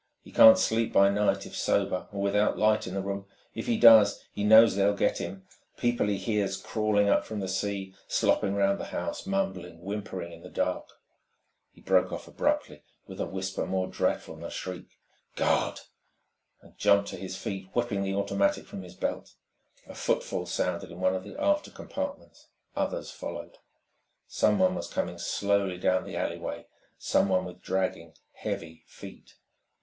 He can't sleep by night if sober, or without 'light in the room. If he does, he knows they will get him ... people he hears crawling up from the sea, slopping round the house, mumbling, whimpering in the dark " He broke off abruptly, with a whisper more dreadful than a shriek "God!" and jumped to his feet, whipping the automatic from his belt. A footfall sounded in one of the after compartments. Others followed. Someone was coming slowly down the alleyway, someone with dragging, heavy feet.